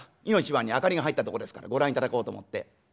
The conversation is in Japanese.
いの一番に明かりが入ったとこですからご覧いただこうと思って」。